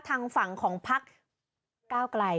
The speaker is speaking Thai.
ทางฝั่งของพักก้าวไกล